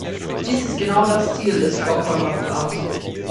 Dies ist genau das Ziel des Stockholmer Programms.